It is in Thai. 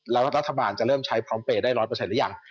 แล้วรัฐบาลจะเริ่มใช้พร้อมเปย์ได้๑๐๐หรือยัง